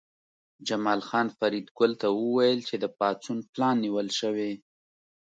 جمال خان فریدګل ته وویل چې د پاڅون پلان نیول شوی